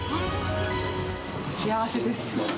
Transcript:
幸せです。